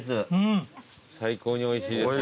最高においしいです。